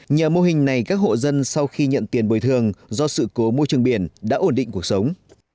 nhờ mô hình này các hộ dân sau khi nhận tiền bồi thường do sự cố môi trường biển đã ổn định cuộc sống